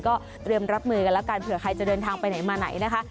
ก็เตรียมรับมือกันแล้วกันเผื่อใครจะเดินทางไปไหนมาไหนนะคะ